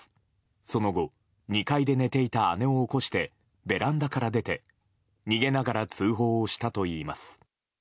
その後、２階で寝ていた姉を起こしてベランダから出て逃げながら通報したといいます。